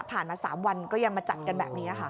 มา๓วันก็ยังมาจัดกันแบบนี้ค่ะ